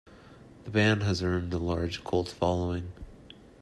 The band has earned a large cult following.